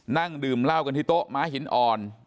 นั่งดื่มเหล้ากันที่โต๊ะม้าหินอ่อน